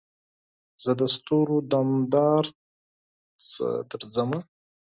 زه دستورو دمدار څخه درځمه